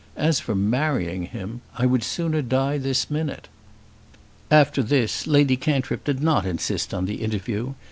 As for marrying him, I would sooner die this minute." After this Lady Cantrip did not insist on the interview.